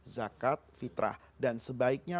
zakat fitrah dan sebaiknya